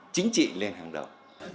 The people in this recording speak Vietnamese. chính trị lên hàng đầu